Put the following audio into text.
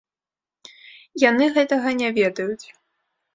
Яны гэтага не ведаюць.